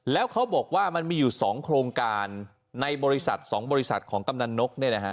แล้วเขาบอกว่ามันมีอยู่๒โครงการในบริษัท๒บริษัทของกำนันนก